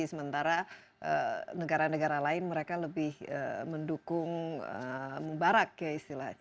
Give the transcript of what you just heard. sementara negara negara lain mereka lebih mendukung mubarak ya istilahnya